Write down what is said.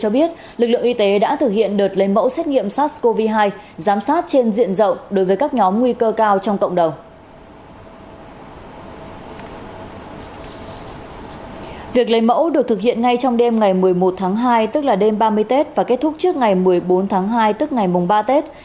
việc lấy mẫu được thực hiện ngay trong đêm ngày một mươi một tháng hai tức là đêm ba mươi tết và kết thúc trước ngày một mươi bốn tháng hai tức ngày mùng ba tết